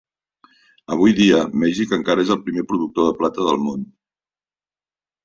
Avui dia, Mèxic encara és el primer productor de plata del món.